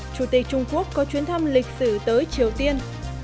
chủ tịch trung quốc có chuyến thăm lịch sử tới triều tiên